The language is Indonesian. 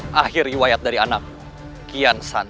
jangan lupa berlangganan